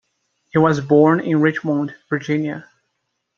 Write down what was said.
He was born in Richmond, Virginia.